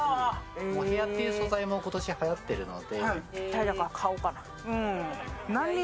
モヘヤっていう素材も今年はやってるので。